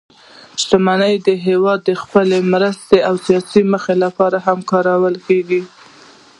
شتمن هېوادونه خپلې مرستې د سیاسي موخو لپاره هم کاروي.